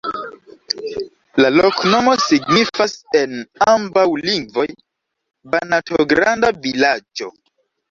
La loknomo signifas en ambaŭ lingvoj: Banato-granda-vilaĝo.